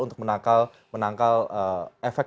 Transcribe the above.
untuk menangkal efek